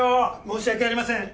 申し訳ありません！